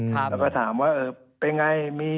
แล้วก็ถามว่าเป็นไง